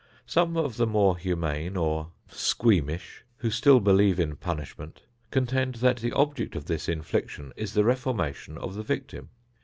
Some of the more humane, or "squeamish," who still believe in punishment, contend that the object of this infliction is the reformation of the victim.